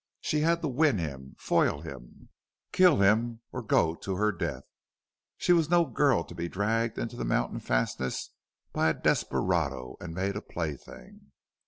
She had to win him, foil him, kill him or go to her death. She was no girl to be dragged into the mountain fastness by a desperado and made a plaything.